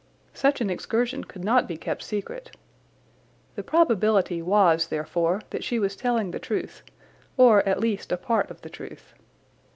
Such an excursion could not be kept secret. The probability was, therefore, that she was telling the truth, or, at least, a part of the truth.